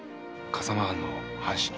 笠間藩の藩士に？